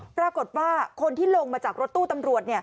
ปรากฏว่าคนที่ลงมาจากรถตู้ตำรวจ